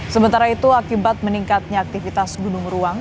sementara itu akibat meningkatnya aktivitas gunung ruang